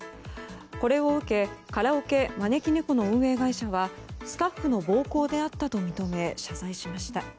これを受けカラオケまねきねこの運営会社はスタッフの暴行であったと認め謝罪しました。